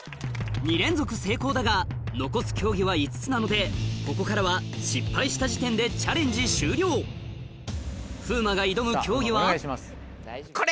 ２連続成功だが残す競技は５つなのでここからは失敗した時点でチャレンジ終了風磨がこれ。